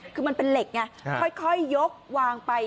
คือมันเป็นเหล็กไงค่อยยกวางไป